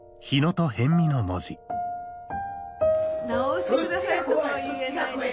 直してくださいとも言えないね。